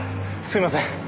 すいません。